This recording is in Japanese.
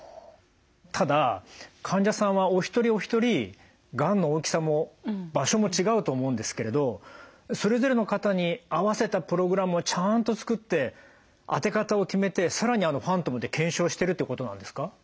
ただ患者さんはお一人お一人がんの大きさも場所も違うと思うんですけれどそれぞれの方に合わせたプログラムをちゃんと作って当て方を決めて更にあのファントムで検証してるってことなんですか？